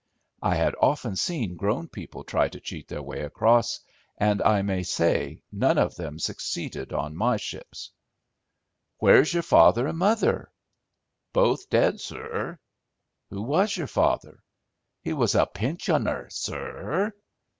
I had often seen grown people try to cheat their way across, and I may say none of them succeeded on my ships. "Where's your father and mother?" "Both dead, sur." "Who was your father?" "He was a pinshoner, sur."